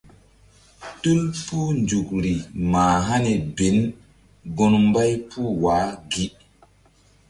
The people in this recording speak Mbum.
Tul puh nzukri mah hani bin gun mbay puh wa gi.